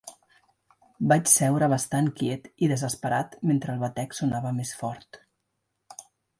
Vaig seure bastant quiet i desesperat mentre el batec sonava més fort.